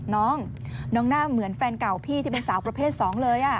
น้องน้องหน้าเหมือนแฟนเก่าพี่ที่เป็นสาวประเภท๒เลย